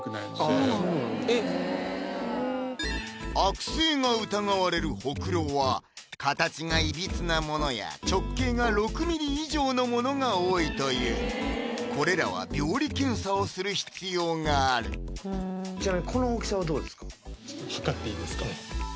へぇ悪性が疑われるホクロは形がいびつなものや直径が６ｍｍ以上のものが多いというこれらは病理検査をする必要があるちなみに測っていいですか？